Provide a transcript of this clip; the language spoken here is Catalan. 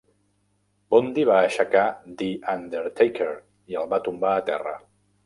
Bundy va aixecar The Undertaker i el va tombar a terra.